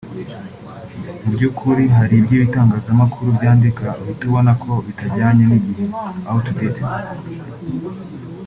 Mu by’ukurihari ibyo ibitangazamakuru byandika uhita ubona ko bitajyanye n’igihe(Outdated)